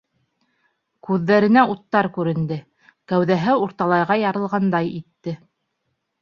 Күҙҙәренә уттар күренде, кәүҙәһе урталайға ярылғандай итте.